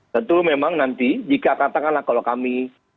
tentu memang nanti jika katakanlah kalau kami